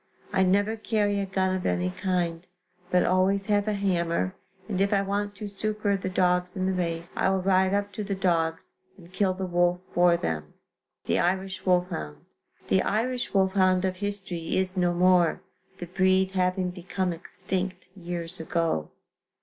I never carry a gun of any kind, but always have a hammer, and if I want to succor the dogs in the race, I will ride up to the dogs and kill the wolf for them. THE IRISH WOLFHOUND. The Irish wolfhound of history is no more, the breed having become extinct years ago.